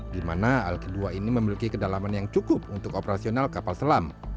di mana alki dua ini memiliki kedalaman yang cukup untuk operasional kapal selam